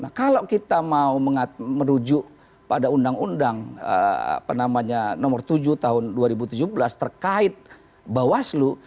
nah kalau kita mau merujuk pada undang undang nomor tujuh tahun dua ribu tujuh belas terkait bawaslu